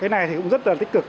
cái này cũng rất là tích cực